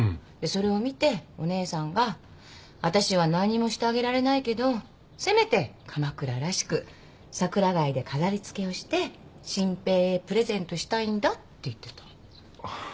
それを見てお姉さんが「私は何もしてあげられないけどせめて鎌倉らしくサクラガイで飾りつけをして真平へプレゼントしたいんだ」って言ってた。